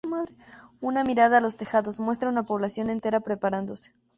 Una mirada a los tejados... muestra una población entera preparándose.